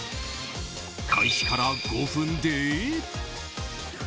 開始から５分で。